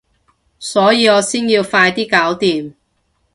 所以我先要快啲搞掂